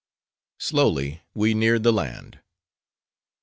Slowly we neared the land.